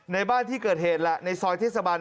ในบ้านที่เกิดเหตุแหละในซอยเทศบัน